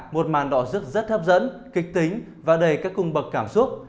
một màn đỏ rước rất hấp dẫn kịch tính và đầy các cung bậc cảm xúc